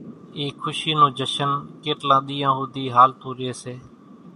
اِي کشي نون جشن ڪيٽلان ۮيان ۿوڌي ھالتون رئي سي